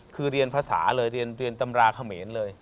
คือเรียนภาษาเลยเรียนตำราเขมรเลย